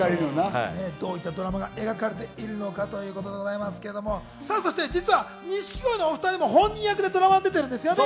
どういったドラマが描かれてるのかってことですけど、実は錦鯉のお２人も本人役でドラマに出てるんですよね。